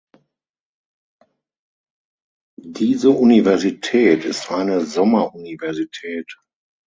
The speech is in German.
Diese Universität ist eine Sommeruniversität.